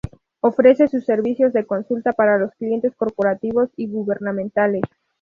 Ofrece sus servicios de consulta para los clientes corporativos y gubernamentales.